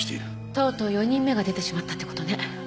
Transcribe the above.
とうとう４人目が出てしまったって事ね。